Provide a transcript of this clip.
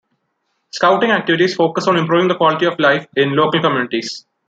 Scouting activities focus on improving the quality of life in local communities.